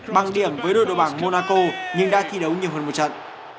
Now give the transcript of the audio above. bằng điểm với đội độ bảng monaco nhưng đã thi đấu nhiều hơn một trận